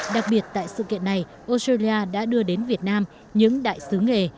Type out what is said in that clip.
đặc biệt tại sự kiện này australia đã đưa đến việt nam những đại sứ nghề